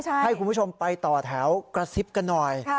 ให้คุณผู้ชมไปต่อแถวกระซิบกันหน่อย